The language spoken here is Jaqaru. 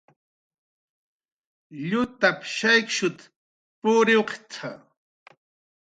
"Llutap"" shaykta puriwq""t""a "